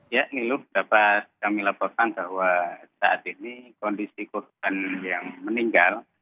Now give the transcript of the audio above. ya niluh dapat kami laporkan bahwa saat ini kondisi korban yang meninggal